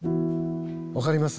分かります？